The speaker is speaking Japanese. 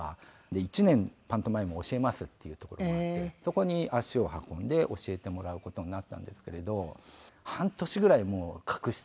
１年パントマイムを教えますっていうところがあってそこに足を運んで教えてもらう事になったんですけれど半年ぐらいもう隠してましたね